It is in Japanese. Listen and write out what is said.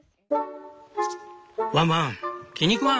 「ワンワン気に食わん！